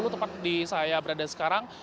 tepat di saya berada sekarang